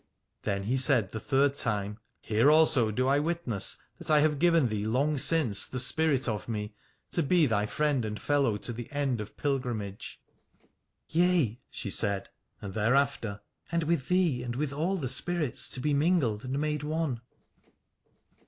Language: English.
Then he said the third time : Here also do I witness that I have given thee long since the spirit of me, to be thy friend and fellow to the end of pilgrimage. Yea, she said, and thereafter : and with thee and with all spirits to be mingled and made one.